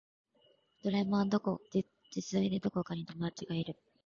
ドラえもんは実在でどこかに友達がいる